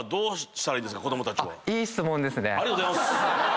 ありがとうございます。